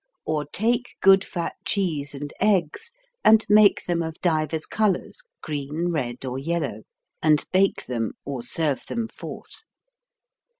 Or take good fat cheese and eggs and make them of divers colours, green, red or yellow, and bake them or serve them forth.